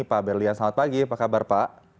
pak berlian selamat pagi apa kabar pak